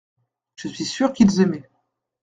Je suis sûr qu’ils aimaient.